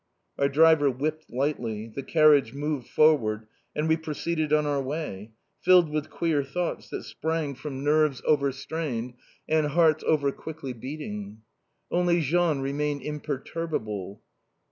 Our driver whipped lightly, the carriage moved forward, and we proceeded on our way, filled with queer thoughts that sprang from nerves over strained and hearts over quickly beating. Only Jean remained imperturbable.